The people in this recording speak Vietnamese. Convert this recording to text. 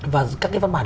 và các cái văn bản